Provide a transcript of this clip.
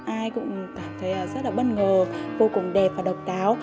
ai cũng cảm thấy rất là bất ngờ vô cùng đẹp và độc đáo